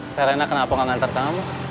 serena kenapa gak ngantar kamu